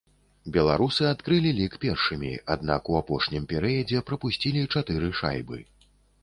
Беларусы адкрылі лік першымі, аднак у апошнім перыядзе прапусцілі чатыры шайбы.